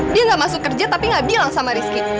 dia gak masuk kerja tapi nggak bilang sama rizky